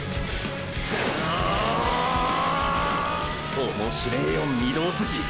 おもしれぇよ御堂筋！！